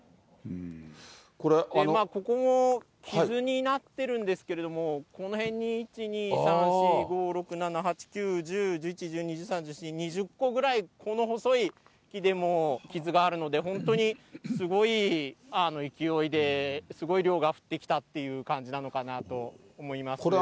ここも傷になってるんですけれども、この辺に、１、２、３、４、５、６、７、８、９、１０、１１、１２、１３、１４、２０個ぐらい、この細い木でも傷があるので、本当にすごい勢いで、すごい量が降ってきたっていう感じなのかなと思いますね。